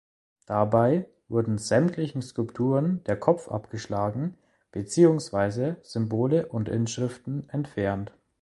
Dabei wurden sämtlichen Skulpturen der Kopf abgeschlagen beziehungsweise Symbole und Inschriften entfernt.